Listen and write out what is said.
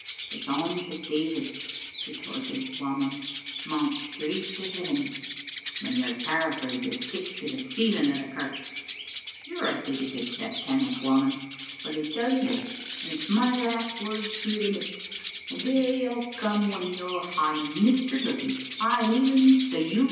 "The Psalms of David," retorted Whamond, "mount straight to heaven, but your paraphrases sticks to the ceiling o' the kirk." "You're a bigoted set, Tammas Whamond, but I tell you this, and it's my last words to you the nicht, the day '11 come when you'll hae Mr. Duthie, ay, and even the U.